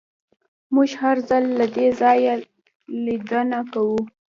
موږ هر ځل له دې ځایه لیدنه کوو